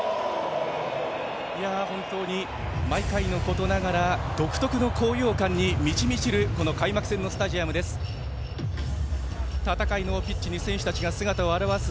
本当に毎回のことながら独特の高揚感に満ち満ちるこの開幕戦のスタジアムです。